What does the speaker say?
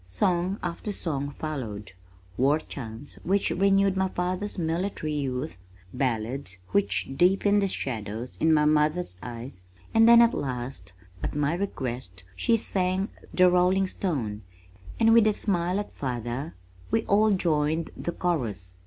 Song after song followed, war chants which renewed my father's military youth, ballads which deepened the shadows in my mother's eyes, and then at last, at my request, she sang The Rolling Stone, and with a smile at father, we all joined the chorus.